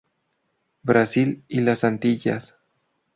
Brasil y las Antillas.